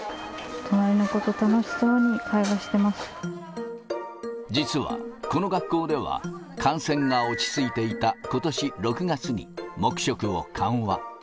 隣の子と楽しそうに会話して実はこの学校では、感染が落ち着いていたことし６月に、黙食を緩和。